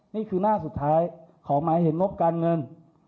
นี่คือหน้าสุดท้ายของหมายเห็นงบการเงิน